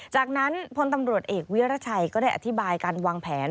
จากนั้นพลตำรวจเอกวิรัชัยก็ได้อธิบายการวางแผน